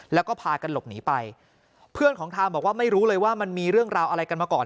แล้วก็พากันหลบหนีไปเพื่อนของทามบอกว่าไม่รู้เลยว่ามันมีเรื่องราวอะไรกันมาก่อน